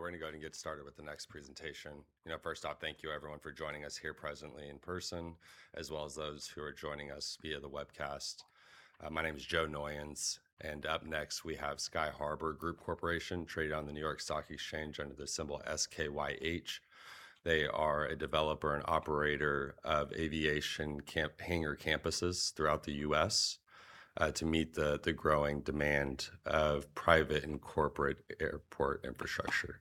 We're going to go ahead and get started with the next presentation. First off, thank you everyone for joining us here presently in person, as well as those who are joining us via the webcast. My name is Joe Noyons. Up next we have Sky Harbour Group Corporation, traded on the New York Stock Exchange under the symbol SKYH. They are a developer and operator of aviation hangar campuses throughout the U.S. to meet the growing demand of private and corporate airport infrastructure.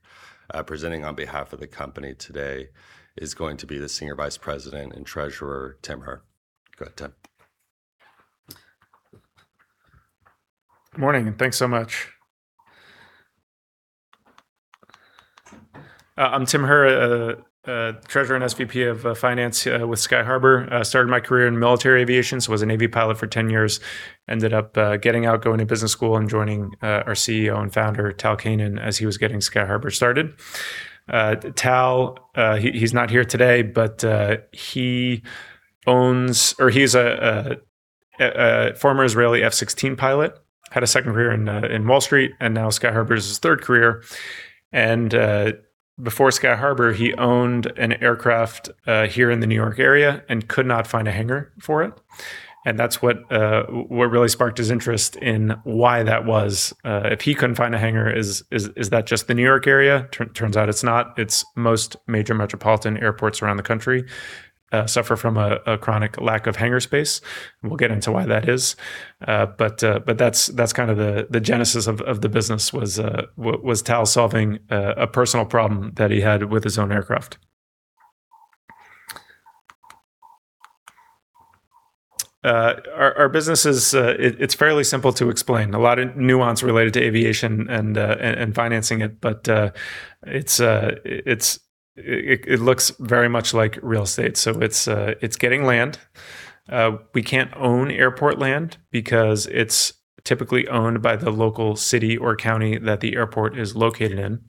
Presenting on behalf of the company today is going to be the Senior Vice President and Treasurer, Tim Herr. Go ahead, Tim. Morning, thanks so much. I'm Tim Herr, Treasurer and SVP of Finance with Sky Harbour. Started my career in military aviation, was a Navy pilot for 10 years. Ended up getting out, going to business school and joining our CEO and founder, Tal Keinan, as he was getting Sky Harbour started. Tal, he's not here today, but he's a former Israeli F16 pilot, had a second career in Wall Street. Now Sky Harbour is his third career. Before Sky Harbour, he owned an aircraft here in the New York area and could not find a hangar for it. That's what really sparked his interest in why that was. If he couldn't find a hangar, is that just the New York area? Turns out it's not. It's most major metropolitan airports around the country suffer from a chronic lack of hangar space. We'll get into why that is. That's kind of the genesis of the business was Tal solving a personal problem that he had with his own aircraft. Our business is fairly simple to explain. A lot of nuance related to aviation and financing it. It looks very much like real estate. It's getting land. We can't own airport land because it's typically owned by the local city or county that the airport is located in.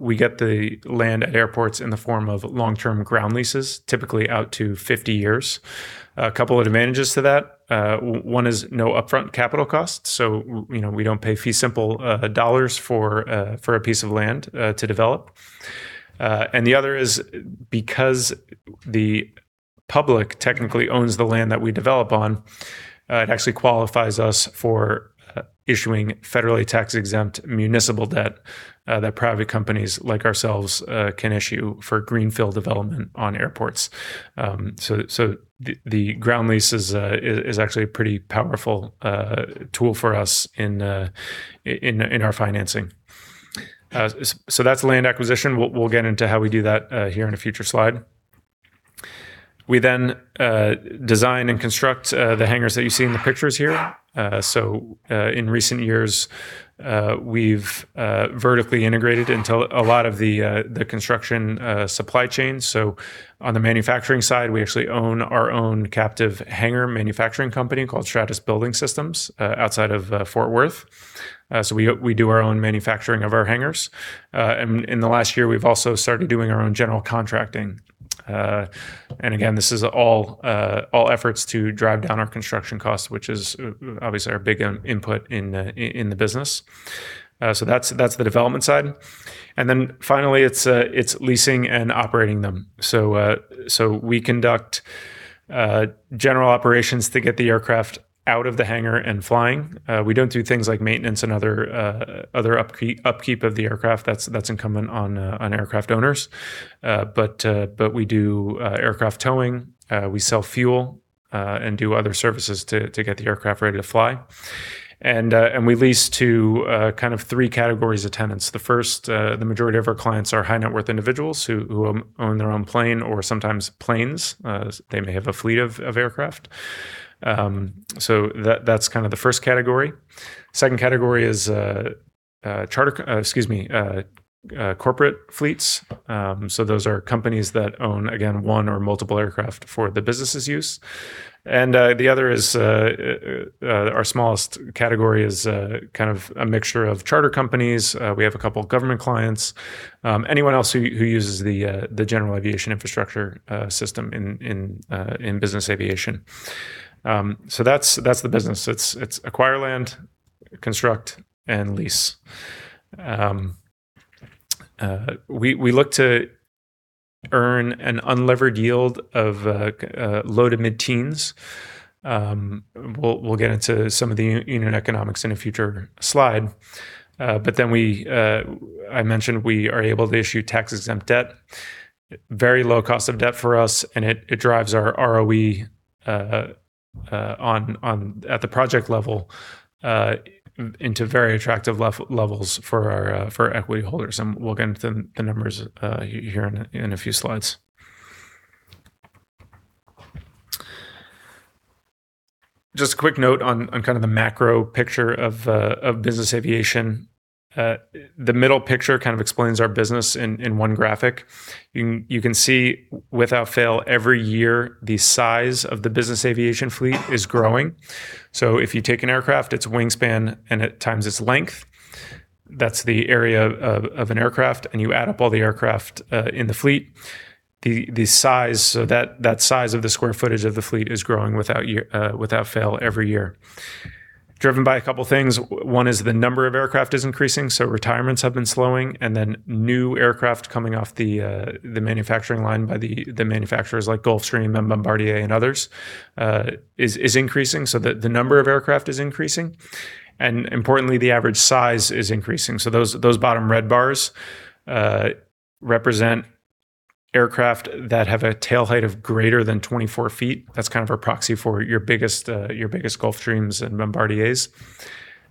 We get the land at airports in the form of long-term ground leases, typically out to 50 years. A couple of advantages to that. One is no upfront capital cost. We don't pay fee simple dollars for a piece of land to develop. The other is because the public technically owns the land that we develop on, it actually qualifies us for issuing federally tax-exempt municipal debt that private companies like ourselves can issue for greenfield development on airports. The ground lease is actually a pretty powerful tool for us in our financing. That's land acquisition. We'll get into how we do that here in a future slide. We design and construct the hangars that you see in the pictures here. In recent years, we've vertically integrated into a lot of the construction supply chain. On the manufacturing side, we actually own our own captive hangar manufacturing company called Stratus Building Systems outside of Fort Worth. We do our own manufacturing of our hangars. In the last year, we've also started doing our own general contracting. Again, this is all efforts to drive down our construction costs, which is obviously our big input in the business. That's the development side. Finally, it's leasing and operating them. We conduct general operations to get the aircraft out of the hangar and flying. We don't do things like maintenance and other upkeep of the aircraft. That's incumbent on aircraft owners. We do aircraft towing, we sell fuel, and do other services to get the aircraft ready to fly. We lease to kind of three categories of tenants. The first, the majority of our clients are high-net-worth individuals who own their own plane or sometimes planes. They may have a fleet of aircraft. That's kind of the first category. Second category is corporate fleets. Those are companies that own, again, one or multiple aircraft for the business's use. The other is our smallest category, is a kind of a mixture of charter companies. We have a couple of government clients. Anyone else who uses the general aviation infrastructure system in business aviation. That's the business. It's acquire land, construct, and lease. We look to earn an unlevered yield of low to mid teens. We'll get into some of the unit economics in a future slide. I mentioned we are able to issue tax-exempt debt, very low cost of debt for us, and it drives our ROE at the project level into very attractive levels for equity holders, and we'll get into the numbers here in a few slides. Just a quick note on kind of the macro picture of business aviation. The middle picture kind of explains our business in one graphic. You can see, without fail, every year the size of the business aviation fleet is growing. If you take an aircraft, its wingspan, and it times its length, that's the area of an aircraft, and you add up all the aircraft in the fleet, that size of the square footage of the fleet is growing without fail every year. Driven by a couple things. One is the number of aircraft is increasing, so retirements have been slowing, and then new aircraft coming off the manufacturing line by the manufacturers like Gulfstream and Bombardier and others is increasing. The number of aircraft is increasing. Importantly, the average size is increasing. Those bottom red bars represent aircraft that have a tail height of greater than 24 ft. That's kind of our proxy for your biggest Gulfstreams and Bombardiers.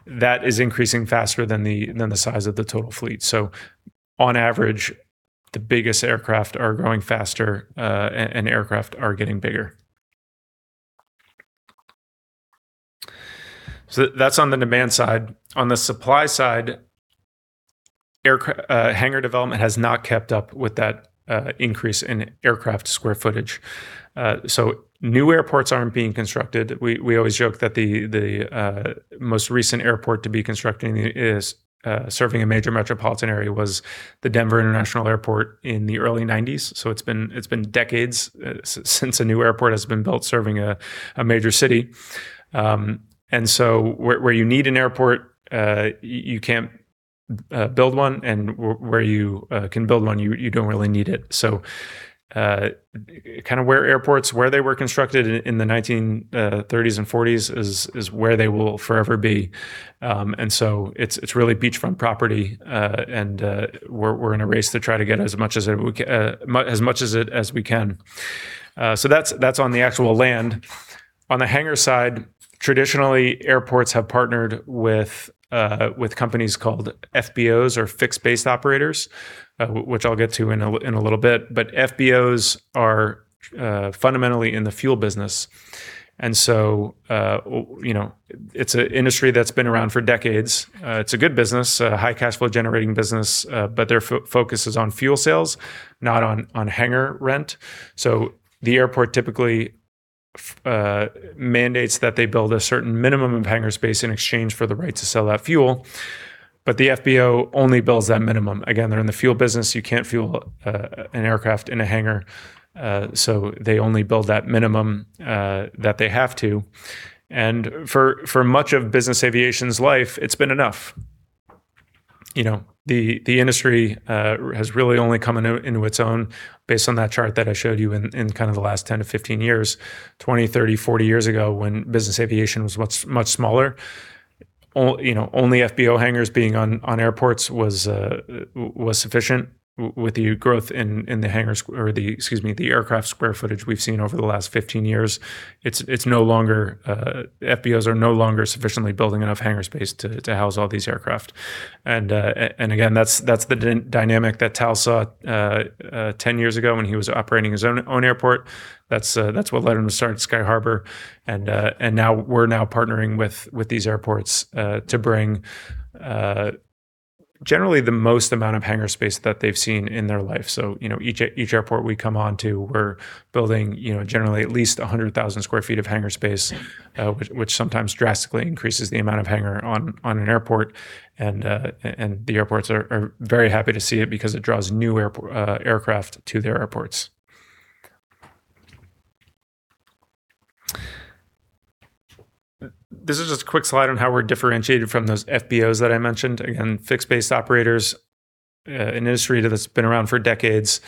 That is increasing faster than the size of the total fleet. On the demand side. On the supply side, hangar development has not kept up with that increase in aircraft square footage. New airports aren't being constructed. We always joke that the most recent airport to be constructed serving a major metropolitan area was the Denver International Airport in the early 1990s. It's been decades since a new airport has been built serving a major city. Where you need an airport, you can't build one, and where you can build one, you don't really need it. Airports, where they were constructed in the 1930s and 1940s is where they will forever be. It's really beachfront property, and we're in a race to try to get as much as it as we can. That's on the actual land. On the hangar side, traditionally, airports have partnered with companies called FBOs or fixed-base operators, which I'll get to in a little bit. FBOs are fundamentally in the fuel business. It's an industry that's been around for decades. It's a good business, a high cash flow generating business, but their focus is on fuel sales, not on hangar rent. The airport typically mandates that they build a certain minimum of hangar space in exchange for the right to sell that fuel, but the FBO only builds that minimum. Again, they're in the fuel business. You can't fuel an aircraft in a hangar. They only build that minimum that they have to. For much of business aviation's life, it's been enough. The industry has really only come into its own based on that chart that I showed you in kind of the last 10-15 years. 20, 30, 40 years ago, when business aviation was much smaller, only FBO hangars being on airports was sufficient. With the growth in the aircraft square footage we've seen over the last 15 years, FBOs are no longer sufficiently building enough hangar space to house all these aircraft. Again, that's the dynamic that Tal saw 10 years ago when he was operating his own airport. That's what led him to start Sky Harbour. We're now partnering with these airports to bring generally the most amount of hangar space that they've seen in their life. Each airport we come onto, we're building generally at least 100,000 sq ft of hangar space, which sometimes drastically increases the amount of hangar on an airport. The airports are very happy to see it because it draws new aircraft to their airports. This is just a quick slide on how we're differentiated from those FBOs that I mentioned. Again, fixed-base operators, an industry that's been around for decades,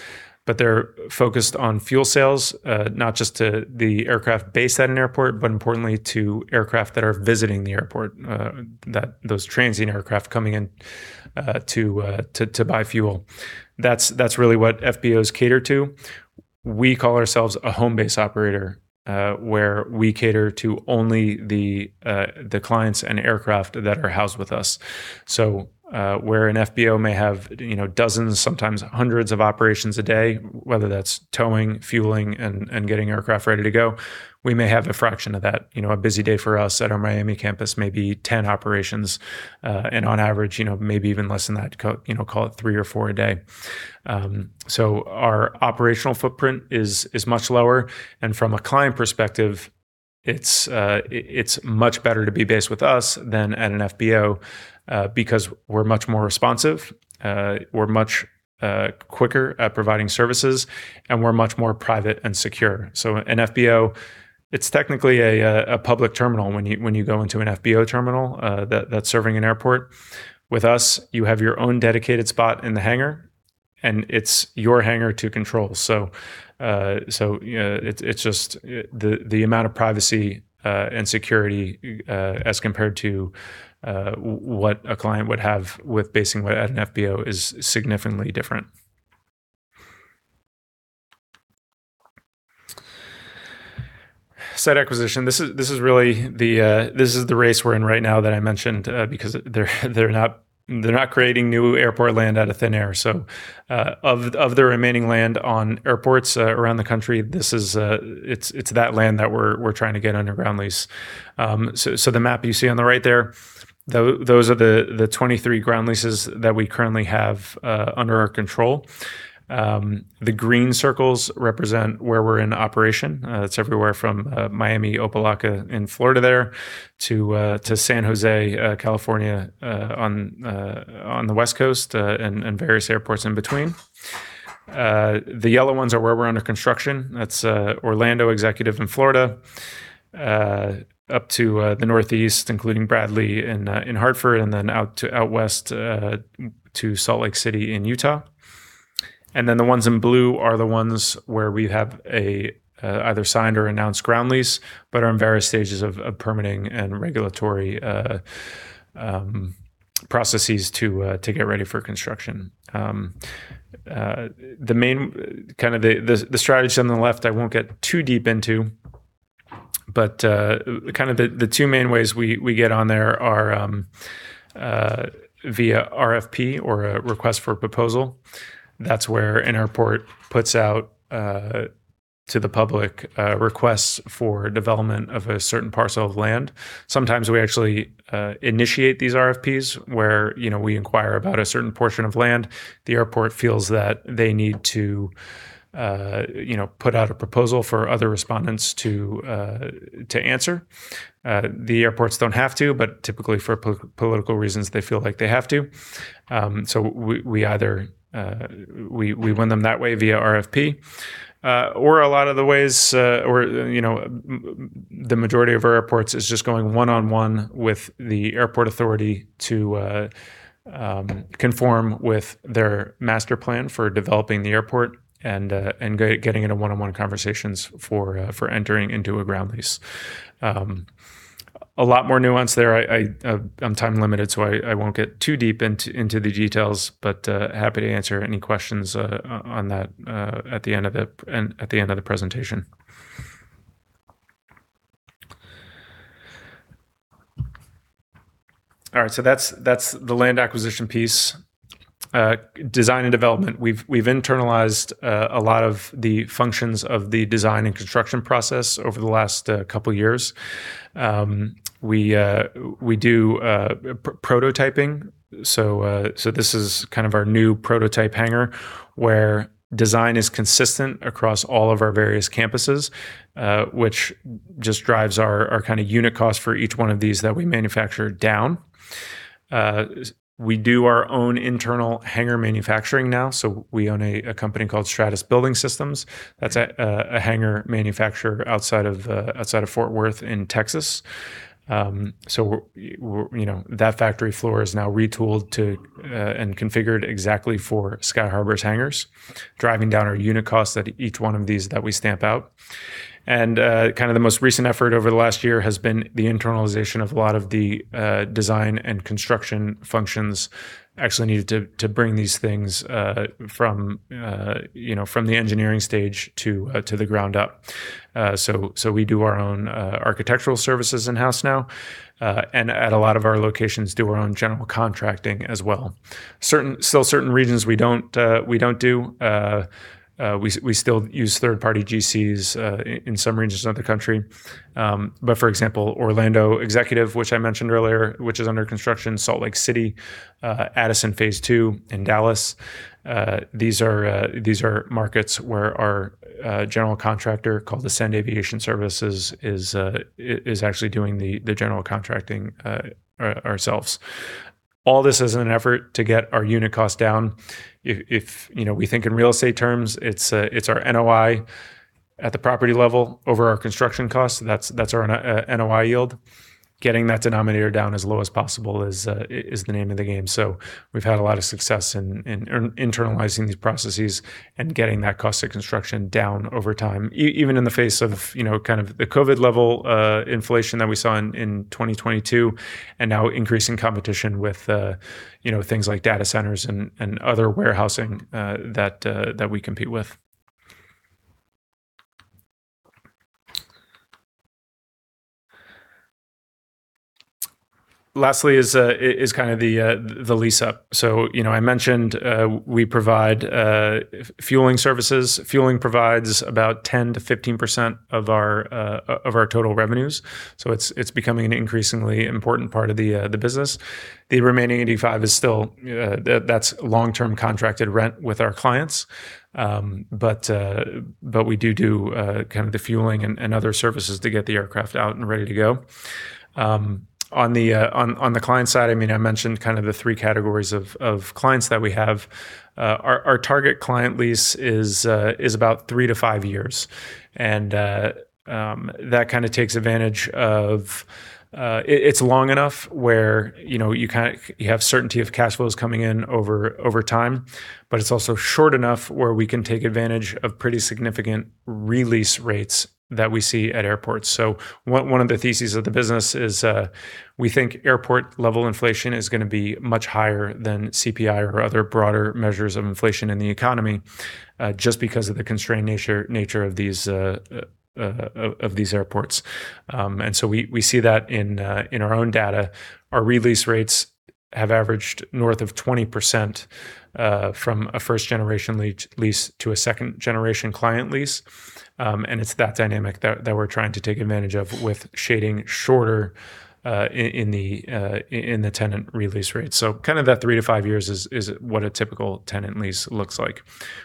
but they're focused on fuel sales, not just to the aircraft based at an airport, but importantly to aircraft that are visiting the airport, those transient aircraft coming in to buy fuel. That's really what FBOs cater to. We call ourselves a home-base operator, where we cater to only the clients and aircraft that are housed with us. Where an FBO may have dozens, sometimes hundreds of operations a day, whether that's towing, fueling, and getting aircraft ready to go, we may have a fraction of that. A busy day for us at our Miami campus may be 10 operations. On average, maybe even less than that, call it three or four a day. Our operational footprint is much lower, and from a client perspective, it's much better to be based with us than at an FBO because we're much more responsive, we're much quicker at providing services, and we're much more private and secure. An FBO, it's technically a public terminal when you go into an FBO terminal that's serving an airport. With us, you have your own dedicated spot in the hangar, and it's your hangar to control. It's just the amount of privacy and security as compared to what a client would have with basing at an FBO is significantly different. Site acquisition. This is the race we're in right now that I mentioned, because they're not creating new airport land out of thin air. Of the remaining land on airports around the country, it's that land that we're trying to get under ground lease. The map you see on the right there, those are the 23 ground leases that we currently have under our control. The green circles represent where we're in operation. That's everywhere from Miami, Opa-locka in Florida there to San Jose, California on the West Coast, and various airports in between. The yellow ones are where we're under construction. That's Orlando Executive in Florida, up to the northeast, including Bradley in Hartford, and then out west to Salt Lake City in Utah. The ones in blue are the ones where we have either signed or announced ground lease, but are in various stages of permitting and regulatory processes to get ready for construction. The strategies on the left I won't get too deep into, the two main ways we get on there are via RFP or a request for proposal. That's where an airport puts out to the public requests for development of a certain parcel of land. Sometimes we actually initiate these RFPs where we inquire about a certain portion of land. The airport feels that they need to put out a proposal for other respondents to answer. The airports don't have to, but typically for political reasons, they feel like they have to. We win them that way via RFP. The majority of our airports is just going one-on-one with the airport authority to conform with their master plan for developing the airport, and getting into one-on-one conversations for entering into a ground lease. A lot more nuance there. I'm time-limited, I won't get too deep into the details, but happy to answer any questions on that at the end of the presentation. That's the land acquisition piece. Design and development. We've internalized a lot of the functions of the design and construction process over the last couple of years. We do prototyping. This is our new prototype hangar, where design is consistent across all of our various campuses, which just drives our unit cost for each one of these that we manufacture down. We do our own internal hangar manufacturing now. We own a company called Stratus Building Systems. That's a hangar manufacturer outside of Fort Worth in Texas. That factory floor is now retooled and configured exactly for Sky Harbour's hangars, driving down our unit costs at each one of these that we stamp out. The most recent effort over the last year has been the internalization of a lot of the design and construction functions actually needed to bring these things from the engineering stage to the ground up. We do our own architectural services in-house now. At a lot of our locations, do our own general contracting as well. Still certain regions we don't do, we still use third-party GCs in some regions of the country. For example, Orlando Executive, which I mentioned earlier, which is under construction, Salt Lake City, Addison phase II in Dallas. These are markets where our general contractor, called Ascend Aviation Services, is actually doing the general contracting ourselves. All this is in an effort to get our unit cost down. If we think in real estate terms, it's our NOI at the property level over our construction cost. That's our NOI yield. Getting that denominator down as low as possible is the name of the game. We've had a lot of success in internalizing these processes and getting that cost of construction down over time. Even in the face of the COVID-level inflation that we saw in 2022, and now increasing competition with things like data centers and other warehousing that we compete with. Lastly is the lease-up. I mentioned we provide fueling services. Fueling provides about 10%-15% of our total revenues, so it's becoming an increasingly important part of the business. The remaining 85% is still long-term contracted rent with our clients. We do the fueling and other services to get the aircraft out and ready to go. On the client side, I mentioned the three categories of clients that we have. Our target client lease is about three to five years. It's long enough where you have certainty of cash flows coming in over time, but it's also short enough where we can take advantage of pretty significant re-lease rates that we see at airports. One of the theses of the business is we think airport-level inflation is going to be much higher than CPI or other broader measures of inflation in the economy, just because of the constrained nature of these airports. We see that in our own data. Our re-lease rates have averaged north of 20% from a first-generation lease to a second-generation client lease. It's that dynamic that we're trying to take advantage of with shading shorter in the tenant re-lease rates. Kind of that three to five years is what a typical tenant lease looks like.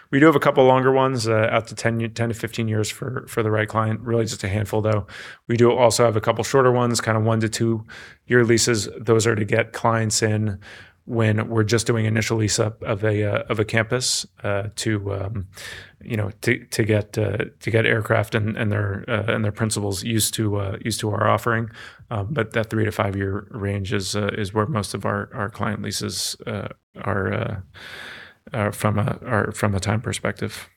We do have a couple longer ones, out to 10-15 years for the right client, really just a handful, though. We do also have a couple shorter ones, kind of one to two-year leases. Those are to get clients in when we're just doing initial lease-up of a campus to get aircraft and their principals used to our offering. That three to five-year range is where most of our client leases are from a time perspective.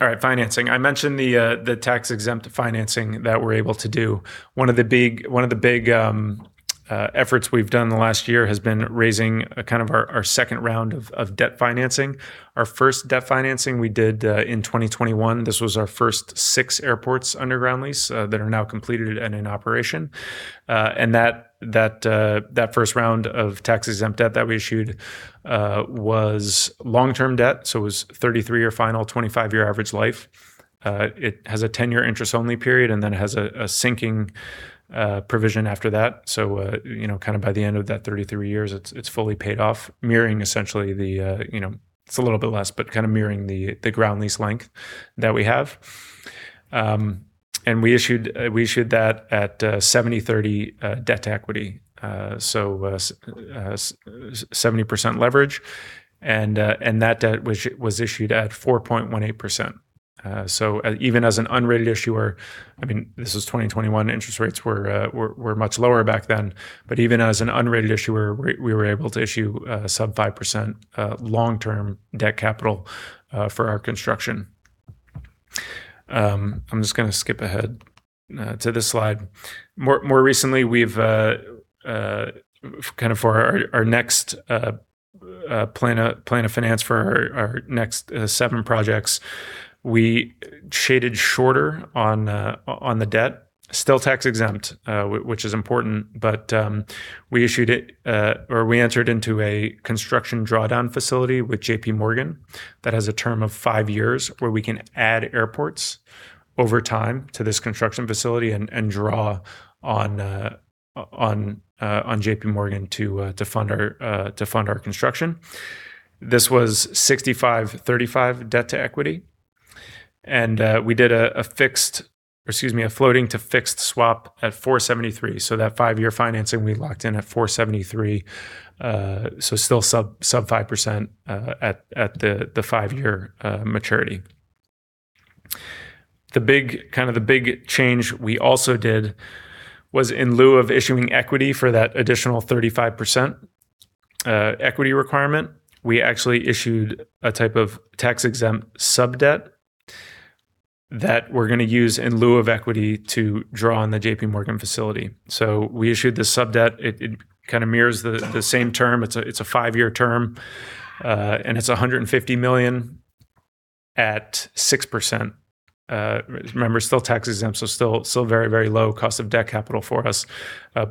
All right, financing. I mentioned the tax-exempt financing that we're able to do. One of the big efforts we've done in the last year has been raising our second round of debt financing. Our first debt financing we did in 2021. This was our first six airports under ground lease that are now completed and in operation. That first round of tax-exempt debt that we issued was long-term debt, so it was 33-year final, 25-year average life. It has a 10-year interest-only period, and then it has a sinking provision after that. By the end of that 33 years, it's fully paid off, mirroring essentially the, it's a little bit less, but kind of mirroring the ground lease length that we have. We issued that at 70/30 debt to equity, so 70% leverage, and that debt was issued at 4.18%. Even as an unrated issuer, this was 2021, interest rates were much lower back then, but even as an unrated issuer, we were able to issue sub 5% long-term debt capital for our construction. I'm just going to skip ahead to this slide. More recently, for our next plan of finance for our next seven projects, we shaded shorter on the debt, still tax-exempt which is important, we issued it, or we entered into a construction drawdown facility with JPMorgan that has a term of five years, where we can add airports over time to this construction facility and draw on JPMorgan to fund our construction. This was 65/35 debt to equity. We did a floating to fixed swap at 473, so that five-year financing we locked in at 473, still sub 5% at the five-year maturity. The big change we also did was in lieu of issuing equity for that additional 35% equity requirement, we actually issued a type of tax-exempt sub-debt that we're going to use in lieu of equity to draw on the JPMorgan facility. We issued the sub-debt. It kind of mirrors the same term. It's a five-year term. It's $150 million at 6%. Remember, still tax-exempt, still very low cost of debt capital for us.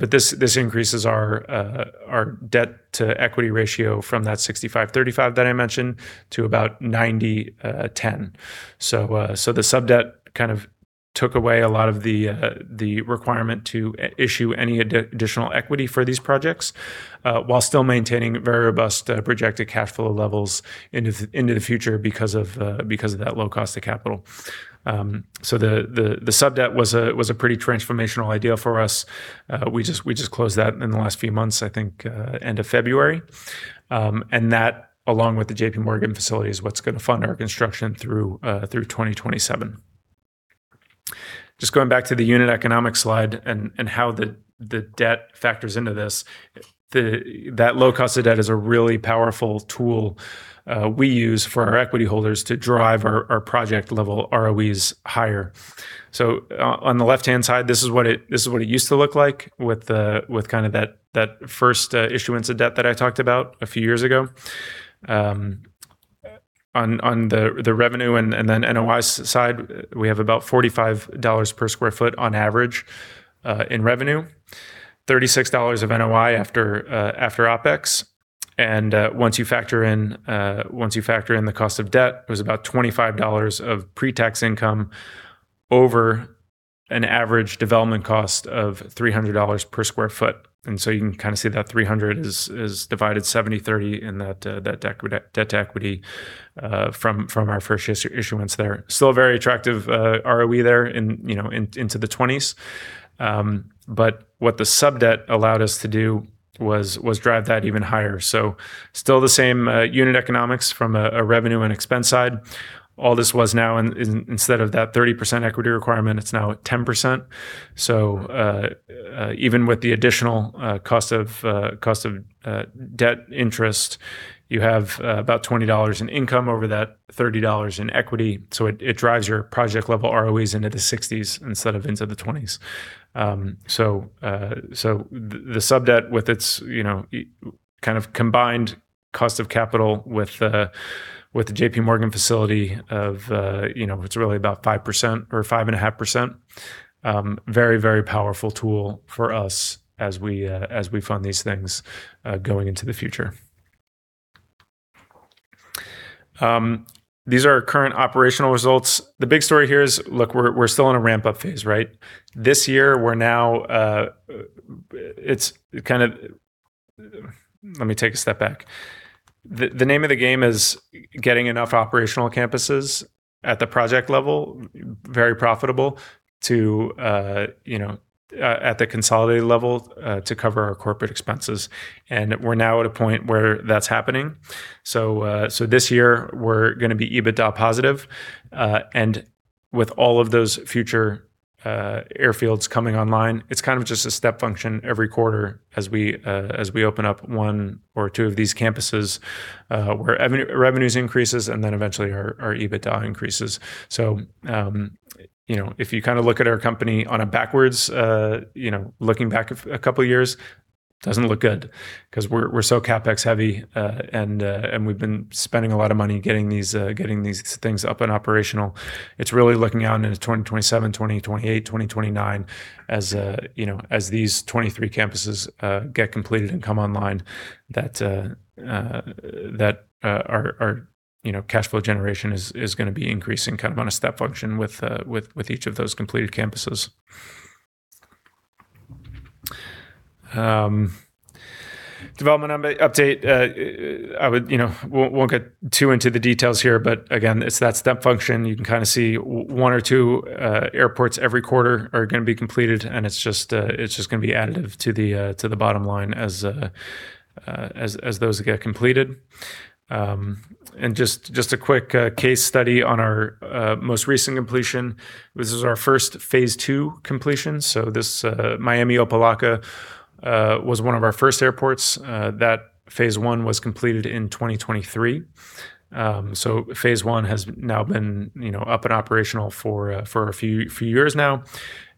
This increases our debt to equity ratio from that 65/35 that I mentioned to about 90/10. The sub-debt kind of took away a lot of the requirement to issue any additional equity for these projects, while still maintaining very robust projected cash flow levels into the future because of that low cost of capital. The sub-debt was a pretty transformational idea for us. We just closed that in the last few months, I think end of February. That, along with the JPMorgan facility, is what's going to fund our construction through 2027. Just going back to the unit economic slide and how the debt factors into this, that low cost of debt is a really powerful tool we use for our equity holders to drive our project level ROEs higher. On the left-hand side, this is what it used to look like with that first issuance of debt that I talked about a few years ago. On the revenue and then NOI side, we have about $45 per sq ft on average in revenue, $36 of NOI after OpEx. Once you factor in the cost of debt, it was about $25 of pre-tax income over an average development cost of $300 per sq ft. You can kind of see that $300 is divided 70/30 in that debt to equity from our first issuance there. Still very attractive ROE there into the 20s. What the sub-debt allowed us to do was drive that even higher. Still the same unit economics from a revenue and expense side. All this was now, instead of that 30% equity requirement, it's now at 10%. Even with the additional cost of debt interest, you have about $20 in income over that $30 in equity. It drives your project level ROEs into the 60s instead of into the 20s. The sub-debt with its kind of combined cost of capital with the JPMorgan facility of, it's really about 5% or 5.5%, very powerful tool for us as we fund these things going into the future. These are our current operational results. The big story here is, look, we're still in a ramp-up phase. This year, Let me take a step back. The name of the game is getting enough operational campuses at the project level, very profitable at the consolidated level, to cover our corporate expenses. We're now at a point where that's happening. This year we're going to be EBITDA positive. With all of those future airfields coming online, it's just a step function every quarter as we open up one or two of these campuses, where revenues increases and then eventually our EBITDA increases. If you look at our company on a backwards, looking back a couple of years, doesn't look good because we're so CapEx heavy, and we've been spending a lot of money getting these things up and operational. It's really looking out into 2027, 2028, 2029 as these 23 campuses get completed and come online that our cash flow generation is going to be increasing on a step function with each of those completed campuses. Development update, we won't get too into the details here, but again, it's that step function. You can see one or two airports every quarter are going to be completed, and it's just going to be additive to the bottom line as those get completed. Just a quick case study on our most recent completion. This is our first phase II completion. This Miami Opa-locka, was one of our first airports. That phase I was completed in 2023. Phase I has now been up and operational for a few years now,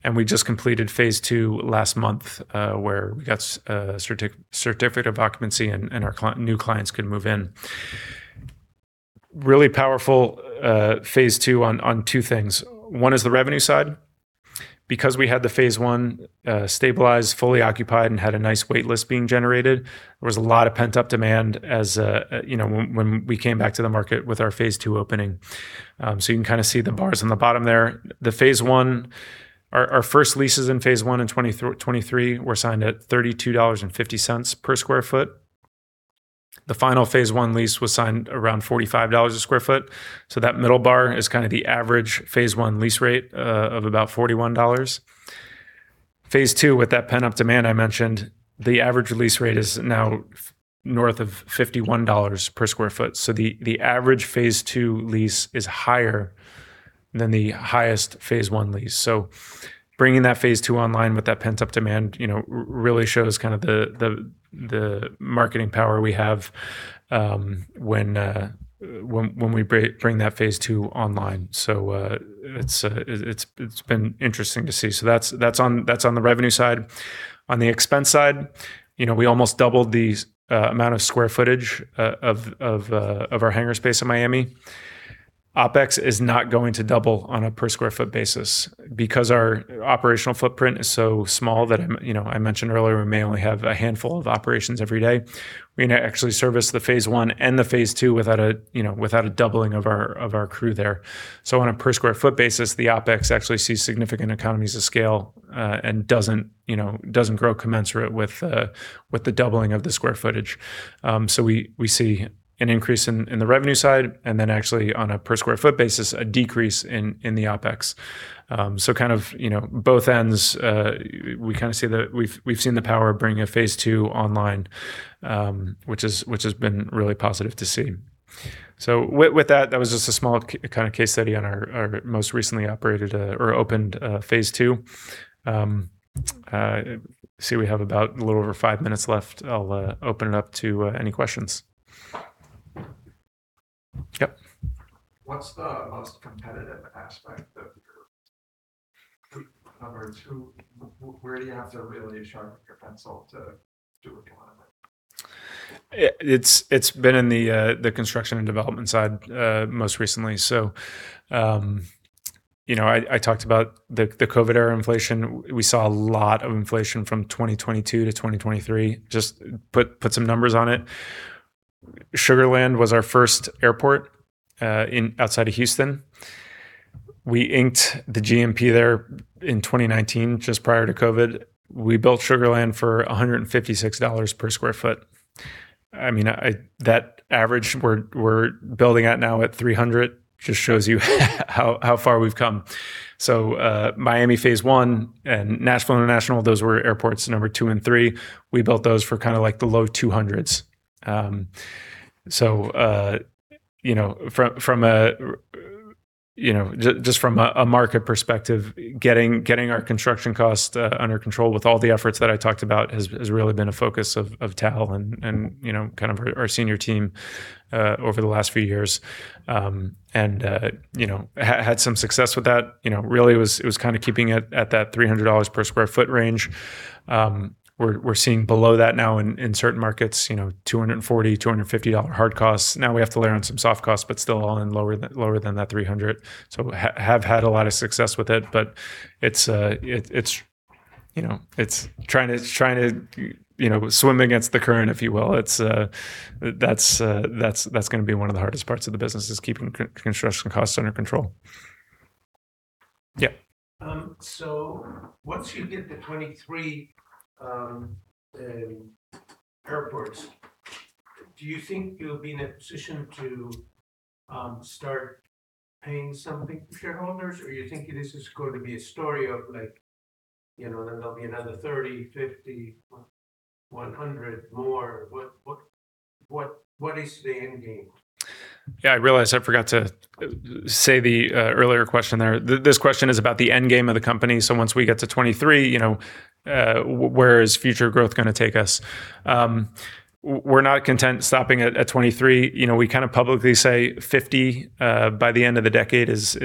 and we just completed phase II last month, where we got certificate of occupancy, and our new clients can move in. Really powerful phase II on two things. One is the revenue side. Because we had the phase I, stabilized, fully occupied, and had a nice wait list being generated, there was a lot of pent-up demand when we came back to the market with our phase II opening. You can see the bars on the bottom there. Our first leases in phase I in 2023 were signed at $32.50 per square foot. The final phase I lease was signed around $45 a square foot. That middle bar is the average phase I lease rate, of about $41. Phase II, with that pent-up demand I mentioned, the average lease rate is now north of $51 per square foot. The average phase II lease is higher than the highest phase 1 lease. Bringing that phase II online with that pent-up demand really shows the marketing power we have when we bring that phase II online. It's been interesting to see. That's on the revenue side. On the expense side, we almost doubled the amount of square footage of our hangar space in Miami. OpEx is not going to double on a per square foot basis because our operational footprint is so small that, I mentioned earlier, we may only have a handful of operations every day. We're going to actually service the phase I and the phase II without a doubling of our crew there. On a per square foot basis, the OpEx actually sees significant economies of scale, and doesn't grow commensurate with the doubling of the square footage. We see an increase in the revenue side, and then actually on a per square foot basis, a decrease in the OpEx. Both ends, we've seen the power of bringing a phase II online, which has been really positive to see. With that was just a small case study on our most recently operated, or opened, phase II. I see we have about a little over five minutes left. I'll open it up to any questions. Yep. What's the most competitive aspect of your numbers? Where do you have to really sharpen your pencil to do what you want to do? It's been in the construction and development side, most recently. I talked about the COVID-era inflation. We saw a lot of inflation from 2022-2023. Just put some numbers on it. Sugar Land was our first airport, outside of Houston. We inked the GMP there in 2019, just prior to COVID. We built Sugar Land for $156 per square foot. That average we're building at now at $300 just shows you how far we've come. Miami phase I and Nashville International, those were airports number two and three. We built those for the low $200s. Just from a market perspective, getting our construction costs under control with all the efforts that I talked about has really been a focus of Tal and our senior team, over the last few years. Had some success with that. Really it was keeping it at that $300 per square foot range. We're seeing below that now in certain markets, $240, $250 hard costs. Now we have to layer on some soft costs, but still all in lower than that $300. Have had a lot of success with it, but it's trying to swim against the current, if you will. That's going to be one of the hardest parts of the business is keeping construction costs under control. Yeah. Once you get the 23 airports Do you think you'll be in a position to start paying something to shareholders? You think this is going to be a story of there'll be another 30, 50, 100 more? What is the end game? Yeah, I realized I forgot to say the earlier question there. This question is about the end game of the company. Once we get to 23, where is future growth going to take us? We're not content stopping at 23. We publicly say 50 by the end of the decade is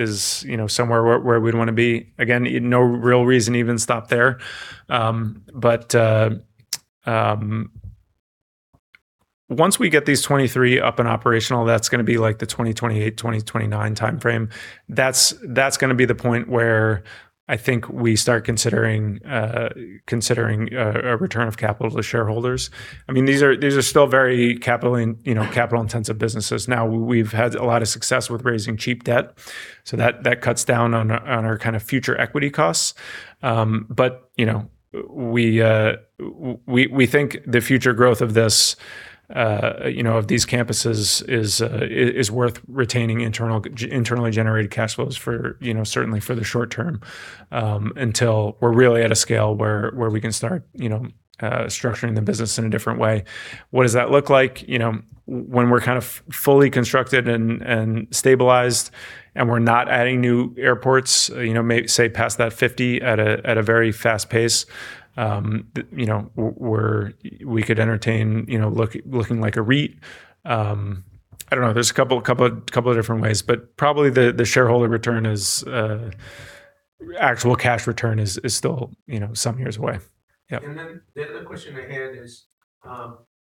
somewhere where we'd want to be. Again, no real reason to even stop there. Once we get these 23 up and operational, that's going to be the 2028, 2029 timeframe. That's going to be the point where I think we start considering a return of capital to shareholders. These are still very capital-intensive businesses. Now, we've had a lot of success with raising cheap debt, so that cuts down on our future equity costs. We think the future growth of these campuses is worth retaining internally generated cash flows certainly for the short term, until we're really at a scale where we can start structuring the business in a different way. What does that look like? When we're fully constructed and stabilized and we're not adding new airports, say, past that 50 at a very fast pace, we could entertain looking like a REIT. I don't know. There's a couple of different ways, but probably the shareholder return, actual cash return, is still some years away. Yep. The other question I had is,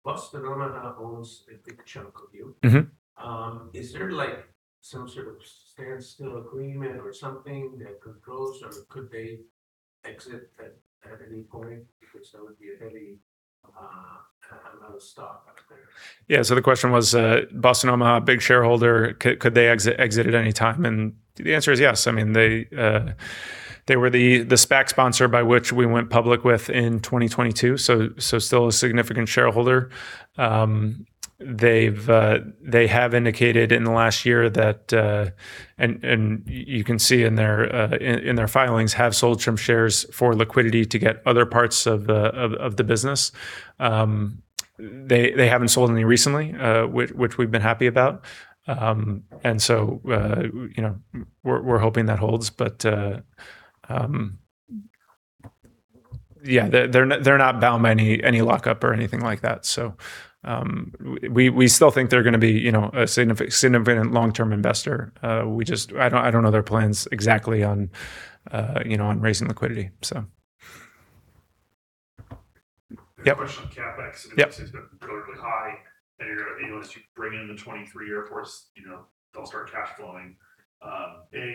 Boston Omaha owns a big chunk of you. Is there some sort of standstill agreement or something that could close, or could they exit at any point? Because that would be a heavy amount of stock out there. The question was, Boston Omaha, big shareholder, could they exit at any time? The answer is yes. They were the SPAC sponsor by which we went public with in 2022, so still a significant shareholder. They have indicated in the last year, and you can see in their filings, have sold some shares for liquidity to get other parts of the business. They haven't sold any recently, which we've been happy about. We're hoping that holds. They're not bound by any lock-up or anything like that. We still think they're going to be a significant long-term investor. I don't know their plans exactly on raising liquidity. There's a question on CapEx. Yep. It seems to have been relatively high. As you bring in the 23 airports, they'll start cash flowing.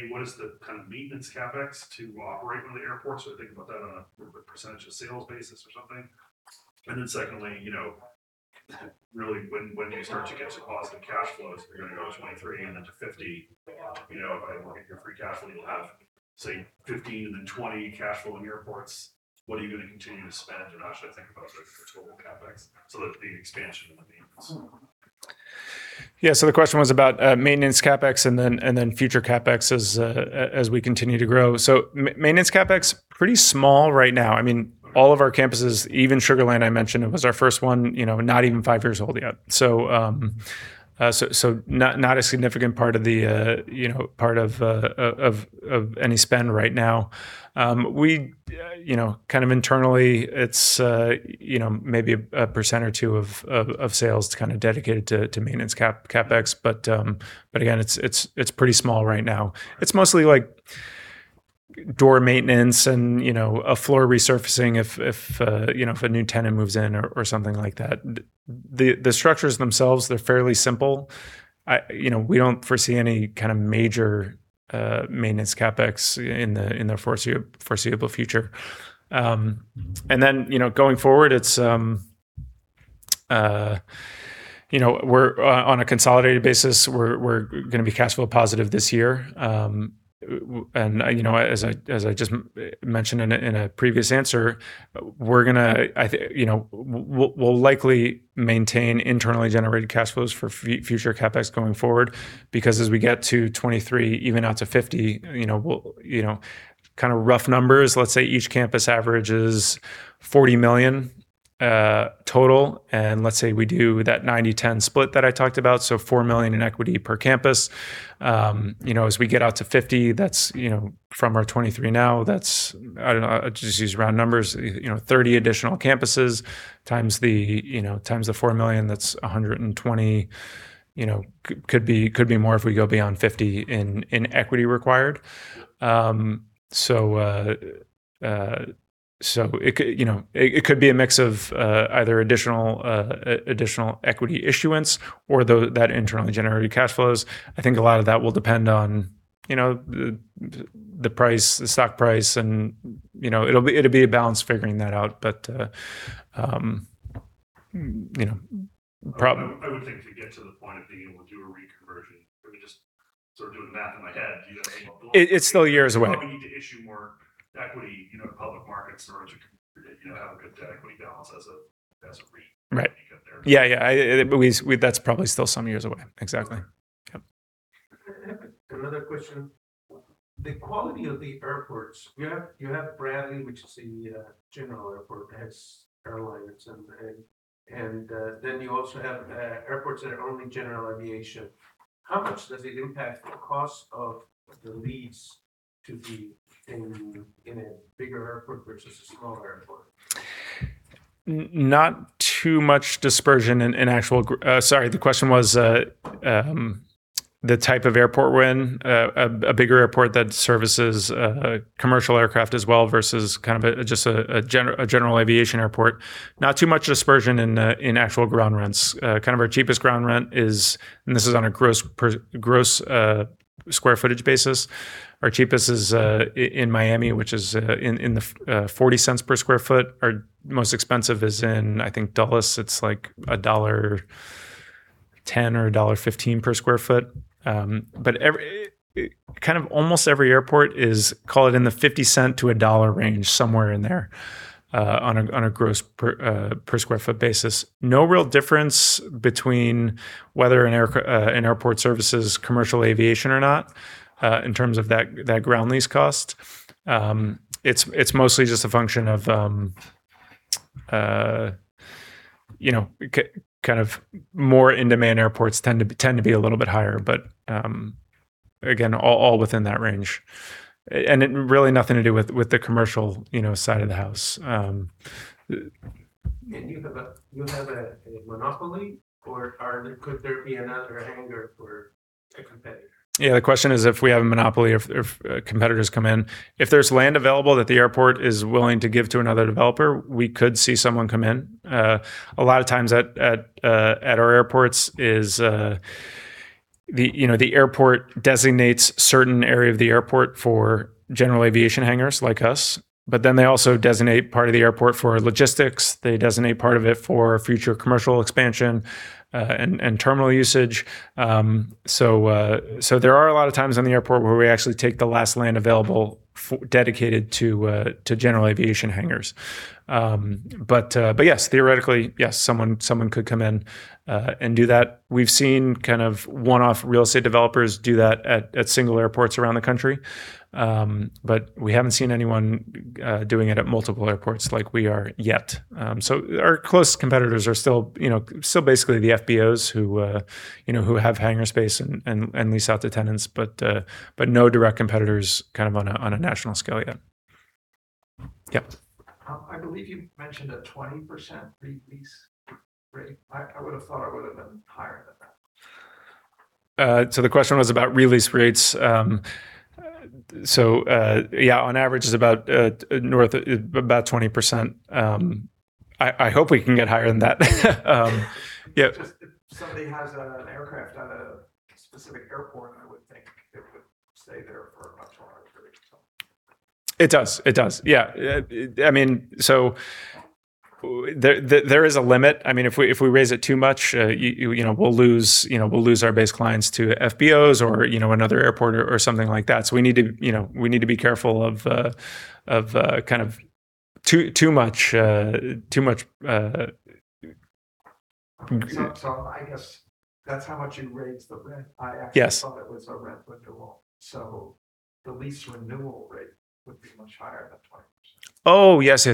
What is the kind of maintenance CapEx to operate one of the airports, or think about that on a percentage of sales basis or something. Secondly, really when do you start to get to positive cash flows if you're going to go to 23 and then to 50? If I look at your free cash flow, you'll have, say, 15 and then 20 cash flowing airports. What are you going to continue to spend? How should I think about the total CapEx? The expansion and the maintenance. The question was about maintenance CapEx and then future CapEx as we continue to grow. Maintenance CapEx, pretty small right now. All of our campuses, even Sugar Land, I mentioned, it was our first one, not even five years old yet. Not a significant part of any spend right now. Internally, it's maybe 1% or 2% of sales dedicated to maintenance CapEx. Again, it's pretty small right now. It's mostly door maintenance and a floor resurfacing if a new tenant moves in or something like that. The structures themselves, they're fairly simple. We don't foresee any major maintenance CapEx in the foreseeable future. Going forward, on a consolidated basis, we're going to be cash flow positive this year. As I just mentioned in a previous answer, we'll likely maintain internally generated cash flows for future CapEx going forward because as we get to 23, even out to 50, kind of rough numbers, let's say each campus average is $40 million total, and let's say we do that 90/10 split that I talked about, $4 million in equity per campus. As we get out to 50 from our 23 now, I'll just use round numbers, 30 additional campuses times the $4 million, that's $120 million, could be more if we go beyond 50, in equity required. It could be a mix of either additional equity issuance or that internally generated cash flows. I think a lot of that will depend on the stock price, and it'll be a balance figuring that out. I would think to get to the point of being able to do a REIT conversion, let me just start doing the math in my head. It's still years away How many to issue market storage are have a good equity balance as a REIT. Right. Yeah. That's probably still some years away. Exactly. Okay. Yep. Another question. The quality of the airports. You have Bradley, which is a general airport, it has airlines, and then you also have airports that are only general aviation. How much does it impact the cost of the lease to be in a bigger airport versus a smaller airport? Not too much dispersion in actual. Sorry, the question was the type of airport we're in, a bigger airport that services commercial aircraft as well versus just a general aviation airport. Not too much dispersion in actual ground rents. Our cheapest ground rent is, and this is on a gross square footage basis, our cheapest is in Miami, which is in the $0.40 per square foot. Our most expensive is in, I think, Dulles, it's like $1.10 or $1.15 per square foot. Almost every airport is in the $0.50 to a $1 range, somewhere in there, on a gross per square foot basis. No real difference between whether an airport services commercial aviation or not in terms of that ground lease cost. It's mostly just a function of more in-demand airports tend to be a little bit higher, but again, all within that range. Really nothing to do with the commercial side of the house. You have a monopoly, or could there be another hangar for a competitor? Yeah, the question is if we have a monopoly or if competitors come in. If there's land available that the airport is willing to give to another developer, we could see someone come in. A lot of times at our airports is the airport designates a certain area of the airport for general aviation hangars, like us, but then they also designate part of the airport for logistics, they designate part of it for future commercial expansion, and terminal usage. There are a lot of times in the airport where we actually take the last land available dedicated to general aviation hangars. Yes, theoretically, yes, someone could come in and do that. We've seen one-off real estate developers do that at single airports around the country, but we haven't seen anyone doing it at multiple airports like we are yet. Our close competitors are still basically the FBOs who have hangar space and lease out to tenants, but no direct competitors on a national scale yet. Yep. I believe you mentioned a 20% re-lease rate. I would've thought it would've been higher than that. The question was about re-lease rates. Yeah, on average it's about 20%. I hope we can get higher than that. Yep. If somebody has an aircraft at a specific airport, I would think it would stay there for a much longer period of time. It does. Yeah. There is a limit. If we raise it too much, we'll lose our base clients to FBOs or another airport or something like that. We need to be careful of too much. I guess that's how much you raised the rent. Yes. I actually thought it was a rent renewal, the lease renewal rate would be much higher than 20%. Oh, yes.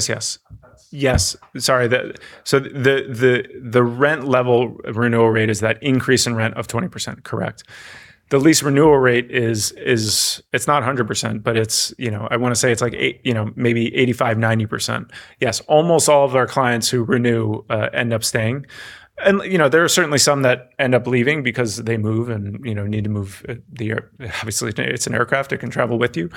Yes. Sorry. The rent level renewal rate is that increase in rent of 20%, correct. The lease renewal rate is not 100%, but I want to say it's maybe 85%, 90%. Yes, almost all of our clients who renew end up staying. There are certainly some that end up leaving because they move and need to move. Obviously, it's an aircraft, it can travel with you.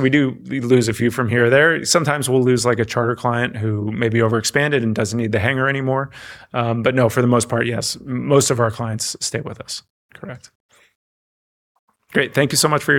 We do lose a few from here or there. Sometimes we'll lose a charter client who maybe overexpanded and doesn't need the hangar anymore. No, for the most part, yes. Most of our clients stay with us. Correct. Great. Thank you so much for your time.